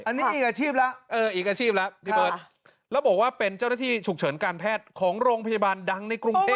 อันนี้มีอาชีพแล้วเอออีกอาชีพแล้วพี่เบิร์ตแล้วบอกว่าเป็นเจ้าหน้าที่ฉุกเฉินการแพทย์ของโรงพยาบาลดังในกรุงเทพ